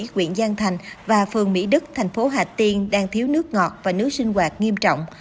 quyện giang thành và phường mỹ đức thành phố hà tiên đang thiếu nước ngọt và nước sinh hoạt nghiêm trọng